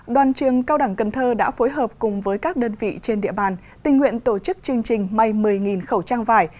đoàn trường cao đẳng cần thơ đã phối hợp cùng với các đơn vị trên địa bàn tình nguyện tổ chức chương trình may một mươi khẩu trang vải